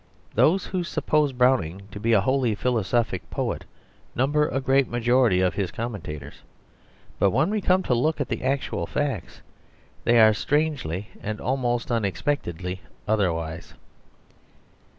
Those who suppose Browning to be a wholly philosophic poet, number a great majority of his commentators. But when we come to look at the actual facts, they are strangely and almost unexpectedly otherwise.